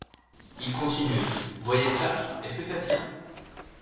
Il continuait: — Voyez ça, est-ce que ça tient?...